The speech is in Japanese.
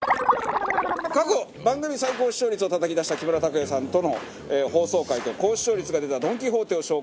過去番組最高視聴率をたたき出した木村拓哉さんとの放送回と高視聴率が出たドン・キホーテを紹介した放送回